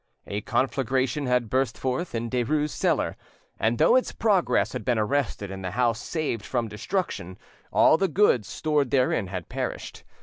A conflagration had burst forth in Derues' cellar, and though its progress had been arrested and the house saved from destruction, all the goods stored therein had perished.